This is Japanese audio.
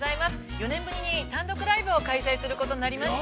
４年ぶりに単独ライブを開催することになりました。